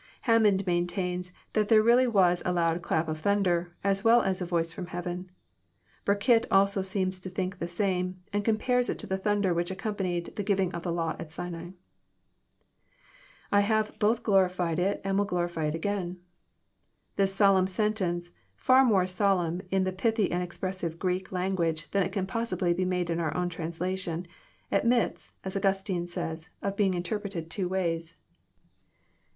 Hammond maintains that there really was a loud clap of thunder, as well as a voice from heaven. Burkitt also seems to think the same, and compares it to the thunder which accompa nied the giving of the law at Sinai. [7 have both glorified it and will glorify it again/] This solemn sentence — far more solemn in the pithy and expressive Greek language than it can possibly be made in our translation admits, as Augustine says, of being Interpreted two ways.